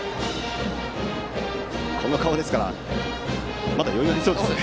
この顔ですからまだ余裕がありそうですね。